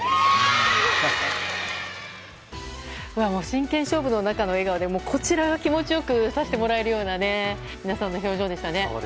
真剣勝負の中の笑顔でこちらが気持ち良くさせてもらえるような皆さんの表情でしたね。